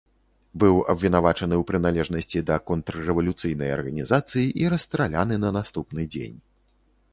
Быў абвінавачаны ў прыналежнасці да контррэвалюцыйнай арганізацыі і расстраляны на наступны дзень.